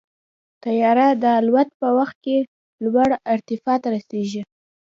طیاره د الوت په وخت کې لوړ ارتفاع ته رسېږي.